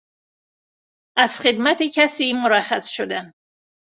از خدمت کسی شرخص شدن